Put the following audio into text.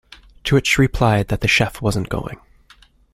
To which she replied that the chef wasn't going.